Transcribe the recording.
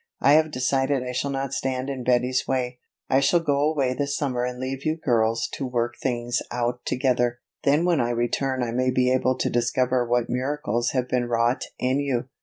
I have decided I shall not stand in Betty's way, I shall go away this summer and leave you girls to work things out together, then when I return I may be able to discover what miracles have been wrought in you."